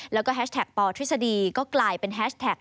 แล้วก็แฮชแท็กปทฤษฎีก็กลายเป็นแฮชแท็ก